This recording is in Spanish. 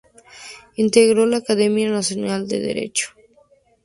Integró la Academia Nacional de Derecho.